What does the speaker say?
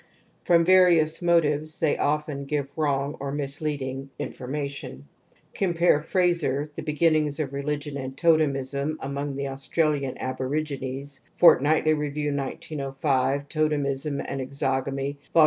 From various motives they often give wrong or misleading information, (Compare Frazer, The Beginnings of Religion and Totemism Among the Aua tralian Aborigines ; FortnighUy Review, 1905 ; Tokmism and Exogamy, Vol.